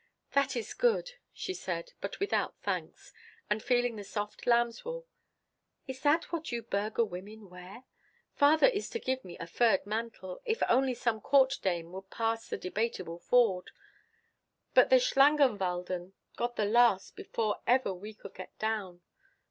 "That is good," she said, but without thanks; and, feeling the soft lambswool: "Is that what you burgher women wear? Father is to give me a furred mantle, if only some court dame would pass the Debateable Ford. But the Schlangenwaldern got the last before ever we could get down.